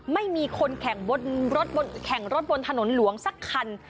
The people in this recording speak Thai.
ไม่มีคนแข่งรถบนถนนหลวงสักคัน